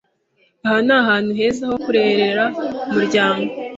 Aha ni ahantu heza ho kurerera umuryango.